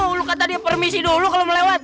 auu lo kata dia permisi dulu kalau melewat